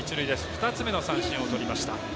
２つ目の三振をとりました。